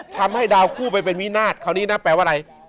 ทำให้ดาวคู่ไปเป็นวินาศคราวนี้นะแปลว่าอะไร